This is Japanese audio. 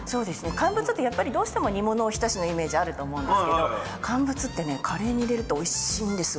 乾物ってやっぱりどうしても煮物お浸しのイメージあると思うんですけど乾物ってねカレーに入れるとおいしいんですわこれが。